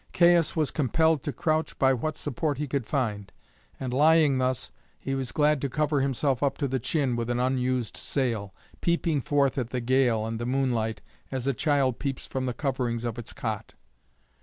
Caius was compelled to crouch by what support he could find, and, lying thus, he was glad to cover himself up to the chin with an unused sail, peeping forth at the gale and the moonlight as a child peeps from the coverings of its cot.